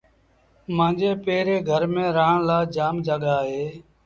مآݩجي پي ري گھر ميݩ رآهڻ لآ جآم جآڳآ اهي۔